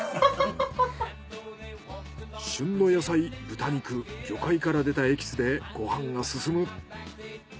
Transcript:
旬の野菜豚肉魚介から出たエキスでご飯がすすむ。